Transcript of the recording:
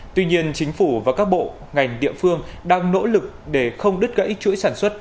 tuy nhiên chính phủ và các bộ ngành địa phương đang nỗ lực để không đứt gãy chuỗi sản xuất